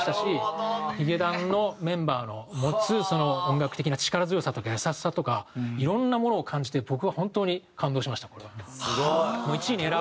ヒゲダンのメンバーの持つ音楽的な力強さとか優しさとかいろんなものを感じて僕は本当に感動しましたこれは。